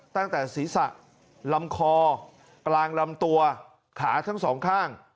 ตั้งแต่ศีรษะลำคอกลางลำตัวขาทั้งสองข้าง